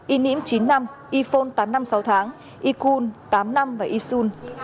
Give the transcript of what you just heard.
y ním chín năm y phon tám năm sáu tháng y khun tám năm và y sun